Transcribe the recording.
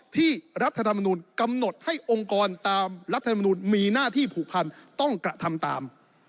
รัฐธรรมนุนกำหนดให้องค์กรตามรัฐธรรมนุนมีหน้าที่ผูกพันต้องกระทำตาม